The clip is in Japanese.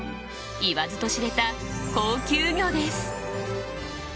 言わずと知れた高級魚です。